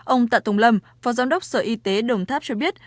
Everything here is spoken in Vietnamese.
ông tạ tùng lâm phó giám đốc sở y tế đồng tháp cho biết